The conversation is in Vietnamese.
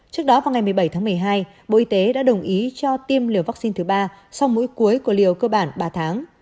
trước đó vào ngày một mươi bảy tháng một mươi hai bộ y tế đã đồng ý cho tiêm liều vaccine thứ ba sau mỗi cuối của liều cơ bản ba tháng